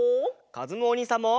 かずむおにいさんも！